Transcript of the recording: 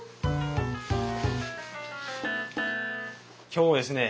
今日ですね